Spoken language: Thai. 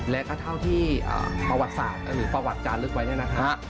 แล้วก็เท่าที่ประวัติศาสตร์หรือประวัติจารย์ลึกไว้ได้นะครับ